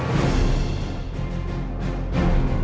ตอนต่อไป